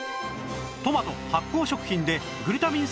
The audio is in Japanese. トマト発酵食品でグルタミン